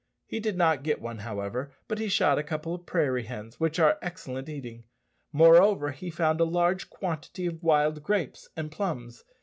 He did not get one, however, but he shot a couple of prairie hens, which are excellent eating. Moreover, he found a large quantity of wild grapes and plums.